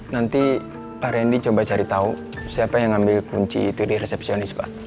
nanti pak randy coba cari tahu siapa yang ambil kunci itu di resepsionis pak